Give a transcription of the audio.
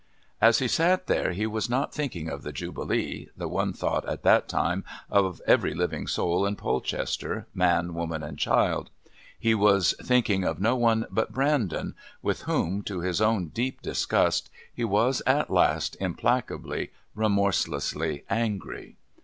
As he sat there he was not thinking of the Jubilee, the one thought at that time of every living soul in Polchester, man, woman and child he was thinking of no one but Brandon, with whom, to his own deep disgust, he was at last implacably, remorselessly, angry.